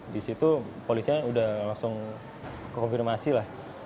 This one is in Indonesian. di situ polisnya sudah langsung kekonfirmasi lah